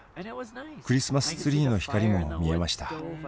クリスマスツリーの光も見えました。